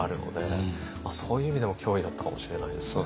そういう意味でも脅威だったかもしれないですよね。